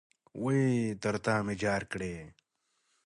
وئ ! تر تامي جار کړې